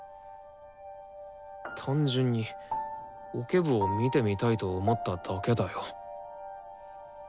単純にオケ部を見てみたいと思っただけだよ。